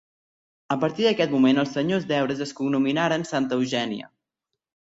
A partir d'aquest moment els senyors d'Eures es cognominaren Santa Eugènia.